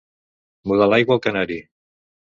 Mudar l'aigua al canari.